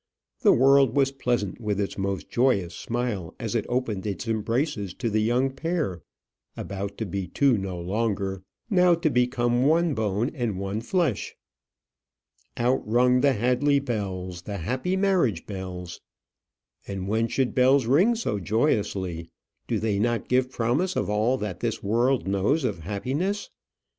The world was pleasant with its most joyous smile as it opened its embraces to the young pair about to be two no longer now to become one bone and one flesh. Out rung the Hadley bells, the happy marriage bells. And when should bells ring so joyously? Do they not give promise of all that this world knows of happiness?